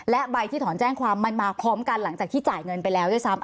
และใบที่ถอนแจ้งความมันมาพร้อมกันหลังจากที่จ่ายเงินไปแล้วด้วยซ้ำ